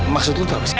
maksud lo tuh apa sih